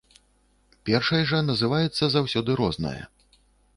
Першай жа называецца заўсёды рознае.